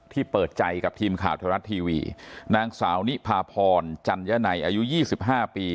เปิดใจกับทีมข่าวไทยรัฐทีวีนางสาวนิพาพรจัญญัยอายุ๒๕ปี